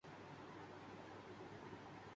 اس وقت یہ station Pakistan Railways کے استعمال میں ہے